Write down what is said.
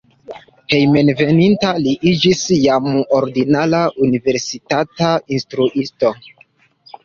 Hejmenveninta li iĝis jam ordinara universitata instruisto.